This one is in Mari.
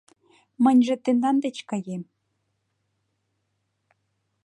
Мыньже тендан деч каем